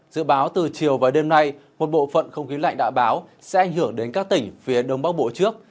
dự báo từ chiều và đêm nay một bộ phận không khí lạnh đã báo sẽ ảnh hưởng đến các tỉnh phía đông bắc bộ trước